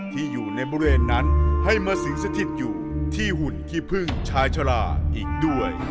ที่อยู่ในบริเวณนั้นให้มาสิงสถิตอยู่ที่หุ่นขี้พึ่งชายชะลาอีกด้วย